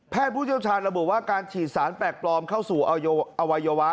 แพทย์ผู้เจ้าชาญบอกว่าการฉีดสารแปลกปลอมเข้าสู่อวัยวะ